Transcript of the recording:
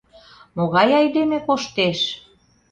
Могай айдеме коштеш?